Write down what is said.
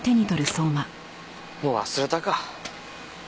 もう忘れたか。